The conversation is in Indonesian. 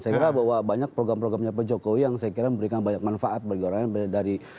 saya kira bahwa banyak program programnya pak jokowi yang saya kira memberikan banyak manfaat bagi orang yang dari